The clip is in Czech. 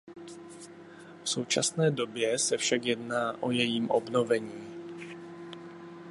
V současné době se však jedná o jejím obnovení.